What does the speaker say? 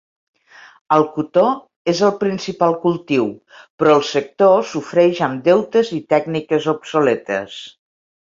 El cotó és el principal cultiu, però el sector sofreix amb deutes i tècniques obsoletes.